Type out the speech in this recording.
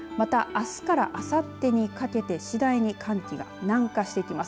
またあすからあさってにかけて次第に寒気が南下してきます。